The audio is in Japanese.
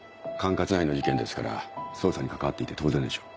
管轄内の事件ですから捜査に関わっていて当然でしょう。